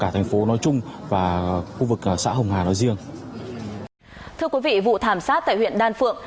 thưa quý vị vụ thảm sát tại huyện đan phượng